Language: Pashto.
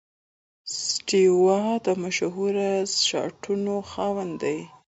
سټیو وا د مشهور شاټسونو خاوند دئ.